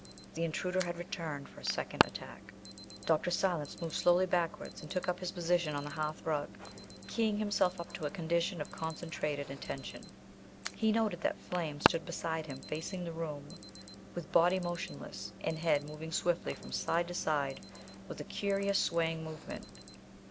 The Intruder had returned for a second attack. Dr. Silence moved slowly backwards and took up his position on the hearthrug, keying himself up to a condition of concentrated attention. He noted that Flame stood beside him, facing the room, with body motionless, and head moving swiftly from side to side with a curious swaying movement.